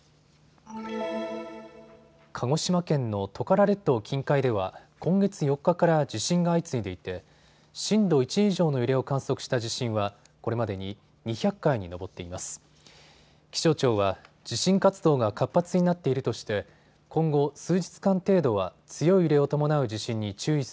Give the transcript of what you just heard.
鹿児島県のトカラ列島近海では今月４日から地震が相次いでいて震度１以上の揺れを観測した地震は、これまでに２００回に上っています。